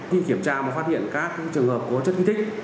khi kiểm tra mà phát hiện các trường hợp có chất kích thích